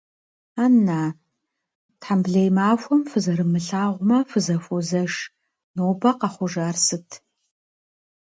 Ан-на, тхьэмбылей махуэм фызэрымылъагъумэ, фызэхуозэш, нобэ къэхъужар сыт?